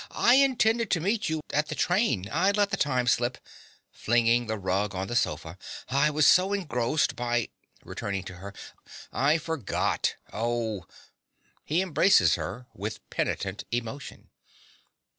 I intended to meet you at the train. I let the time slip. (Flinging the rug on the sofa.) I was so engrossed by (returning to her) I forgot oh! (He embraces her with penitent emotion.)